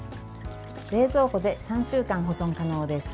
冷蔵庫で３週間保存可能です。